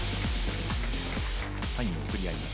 サインを送り合います。